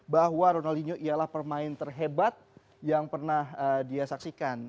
bahwa ronaldinho ialah pemain terhebat yang pernah dia saksikan